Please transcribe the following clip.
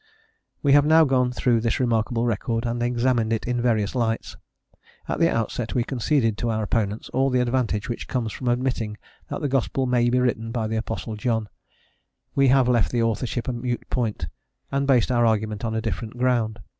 We have now gone through this remarkable record and examined it in various lights. At the outset we conceded to our opponents all the advantage which comes from admitting that the gospel may be written by the Apostle John; we have left the authorship a moot point, and based our argument on a different ground.